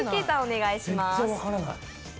さんお願いします。